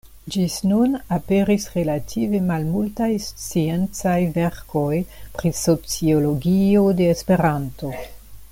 Ĝis nun aperis relative malmultaj sciencaj verkoj pri sociologio de Esperanto.